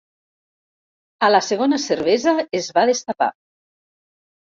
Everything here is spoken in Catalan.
A la segona cervesa es va destapar.